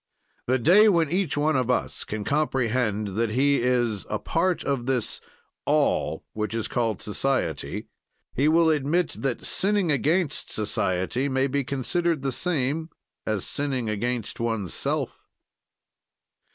"The day when each one of us can comprehend that he is a part of this 'all,' which is called society, he will admit that sinning against society may be considered the same as sinning against oneself.